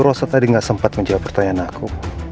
bu rosso tadi nggak sempat menjawab pertanyaan aku